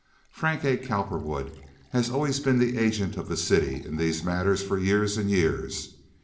Frank A. Cowperwood had always been the agent of the city in these matters for years and years.